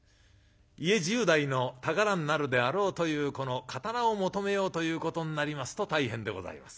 家重代の宝になるであろうというこの刀を求めようということになりますと大変でございます。